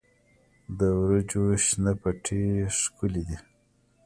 د وریجو شنه پټي ښکلي دي.